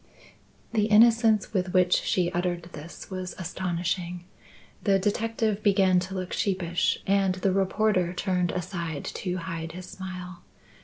The innocence with which she uttered this was astonishing. The detective began to look sheepish and the reporter turned aside to hide his smile.